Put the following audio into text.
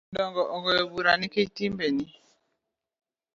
Jodongo ogoyo bura nikech timbeni